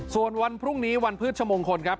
ส่วนวันพรุ่งนี้วันพืชชมงคลครับ